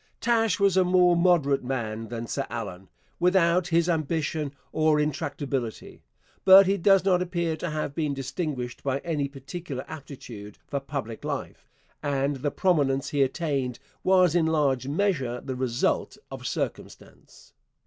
Taché was a more moderate man than Sir Allan, without his ambition or intractability; but he does not appear to have been distinguished by any particular aptitude for public life, and the prominence he attained was in large measure the result of circumstance.